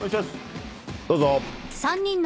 どうぞ。